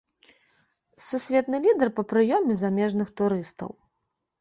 Сусветны лідар па прыёме замежных турыстаў.